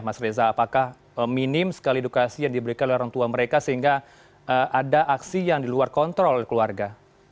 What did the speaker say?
mas reza apakah minim sekali edukasi yang diberikan oleh orang tua mereka sehingga ada aksi yang diluar kontrol oleh keluarga